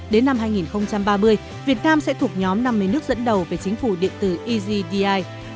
đến năm hai nghìn ba mươi việt nam sẽ thuộc nhóm năm mươi nước dẫn đầu về chính phủ điện tử egdi